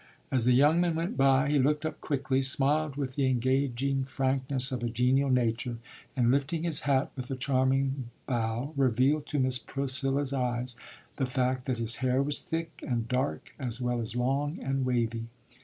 As the young man went by, he looked up quickly, smiled with the engaging frankness of a genial nature, and lifting his hat with a charming bow, revealed to Miss Priscilla's eyes the fact that his hair was thick and dark as well as long and wavy.